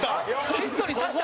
ヒットにさせた？